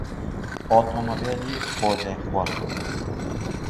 ئۆتۆمبێلی خۆلێخوڕ